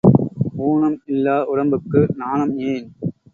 ஊனம் இல்லா உடம்புக்கு நாணம் ஏன்?